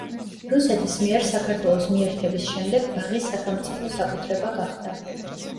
რუსეთის მიერ საქართველოს მიერთების შემდეგ ბაღი სახელმწიფო საკუთრება გახდა.